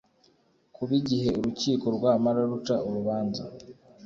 Kuba igihe urukiko rwamara ruca urubanza